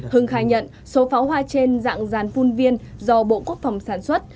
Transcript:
hưng khai nhận số pháo hoa trên dạng dàn phun viên do bộ quốc phòng sản xuất